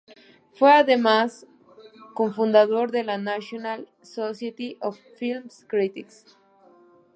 Fue además cofundador de la National Society of Film Critics.